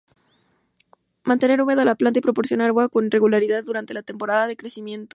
Mantener húmeda la planta y proporcionar agua con regularidad durante la temporada de crecimiento.